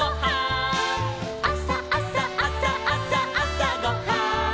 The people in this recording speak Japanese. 「あさあさあさあさあさごはん」